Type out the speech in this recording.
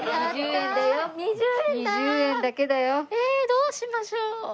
どうしましょう。